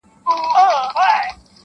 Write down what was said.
په لومړۍ ورځ چي په کار پسي روان سو -